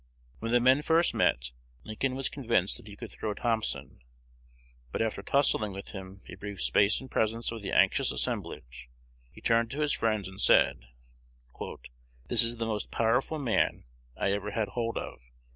When the men first met, Lincoln was convinced that he could throw Thompson; but, after tussling with him a brief space in presence of the anxious assemblage, he turned to his friends and said, "This is the most powerful man I ever had hold of.